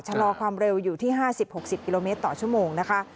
ชะลอความเร็วอยู่ที่ห้าสิบหกสิบกิโลเมตรต่อชั่วโมงนะคะ